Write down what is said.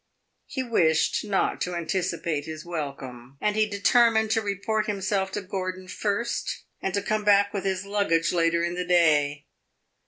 He wished not to anticipate his welcome, and he determined to report himself to Gordon first and to come back with his luggage later in the day.